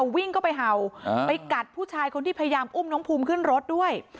วิ่งเข้าไปเห่าไปกัดผู้ชายคนที่พยายามอุ้มน้องภูมิขึ้นรถด้วย